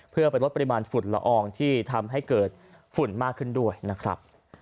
เพื่อไปลดปริมาณฝุ่นละอองที่ทำให้เกิดฝุ่นมากขึ้นด้วยนะครับ